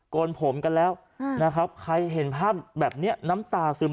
นผมกันแล้วนะครับใครเห็นภาพแบบนี้น้ำตาซึม